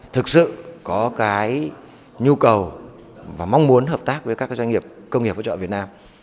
thực sự có cái nhu cầu và mong muốn hợp tác với các doanh nghiệp công nghiệp hỗ trợ việt nam